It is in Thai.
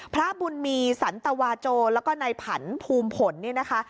พระบุญมีสันตวาโจแล้วก็นายผันภูมิผลเนี่ยนะคะ